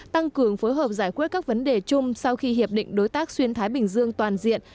tăng cường phối hợp giải quyết các vấn đề chung sau khi hiệp định đối tác xuyên thái bình dương toàn diện